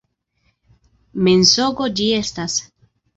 Mensogo ĝi estas!